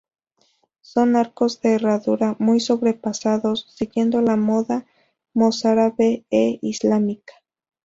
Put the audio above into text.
Son arcos de herradura muy sobrepasados, siguiendo la moda mozárabe e islámica.